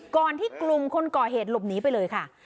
ก่อนที่กลุ่มคนก่อเหตุหลบหนีไปเลยค่ะ